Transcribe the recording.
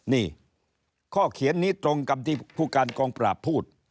นี่ข้อเขียนนี้ตรงกับที่ผู้การกองปราบพูด